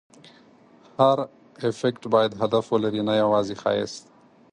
هر افکت باید هدف ولري، نه یوازې ښایست.